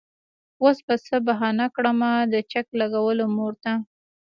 وس به څۀ بهانه کړمه د چک لګولو مور ته